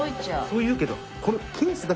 そう言うけど。